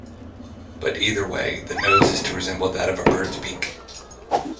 But either way, the nose is to resemble that of a bird's beak.